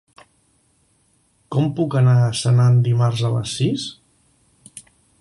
Com puc anar a Senan dimarts a les sis?